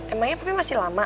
emangnya papi masih lama